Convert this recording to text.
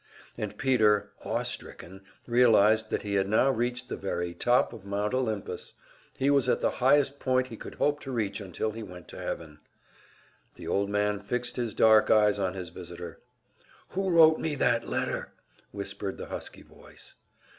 And Peter, awe stricken, realized that he had now reached the very top of Mount Olympus, he was at the highest point he could hope to reach until he went to heaven. The old man fixed his dark eyes on his visitor. "Who wrote me that letter?" whispered the husky voice.